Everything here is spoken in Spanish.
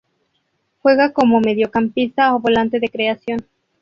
Juega como mediocampista o volante de creación.